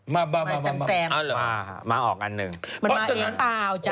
มามาออกอันหนึ่งมันมาเองเปล่าจ้ะ